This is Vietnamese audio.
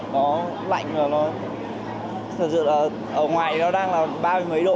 nó lạnh rồi thật sự là ở ngoài nó đang là ba mươi mấy độ